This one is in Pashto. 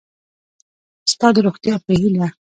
ستا د روغتیا په هیله